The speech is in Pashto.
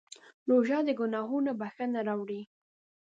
روژه د ګناهونو بښنه راوړي.